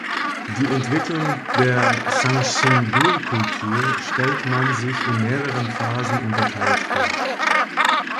Die Entwicklung der Sanxingdui-Kultur stellt man sich in mehrere Phasen unterteilt vor.